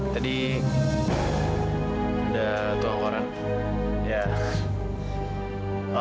tadi udah tukang koran ya